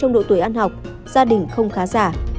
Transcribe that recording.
trong độ tuổi ăn học gia đình không khá giả